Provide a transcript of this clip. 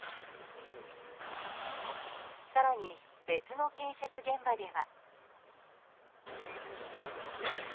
更に別の建設現場では。